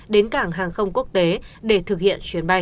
đến cảng hàng không quốc tế để thực hiện chuyến bay